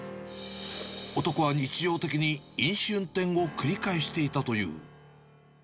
男は日常的に飲酒運転を繰り返していたという。